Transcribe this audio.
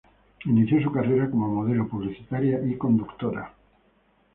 Inició su carrera como modelo publicitaria y conductora.